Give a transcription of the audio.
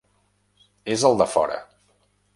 És el de fora.